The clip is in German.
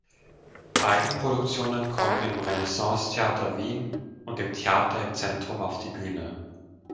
Eigenproduktionen kommen im "Renaissancetheater Wien" und im "Theater im Zentrum" auf die Bühne.